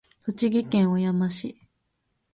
栃木県小山市